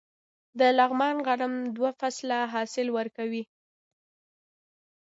د لغمان غنم دوه فصله حاصل ورکوي.